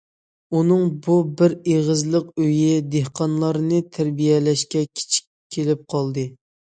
ئۇنىڭ بۇ بىر ئېغىزلىق ئۆيى دېھقانلارنى تەربىيەلەشكە كىچىك كېلىپ قالدى.